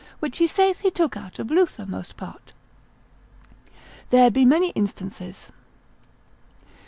which he saith he took out of Luther most part; there be many instances.